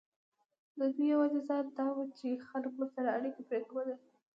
د دوی یوه جزا دا وه چې خلکو ورسره اړیکه پرې کوله.